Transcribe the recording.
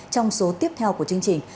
trong số tiếp theo của chương trình